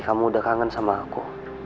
kamu udah kangen sama aku